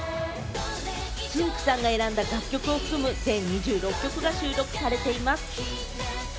つんく♂さんが選んだ楽曲を含む、全２６曲が収録されています。